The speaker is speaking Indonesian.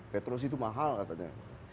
petrosi itu mahal katanya